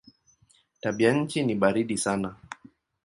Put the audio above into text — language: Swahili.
Tabianchi ni baridi sana.